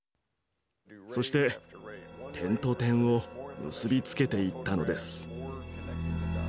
そして点と点を結び付けていったのです。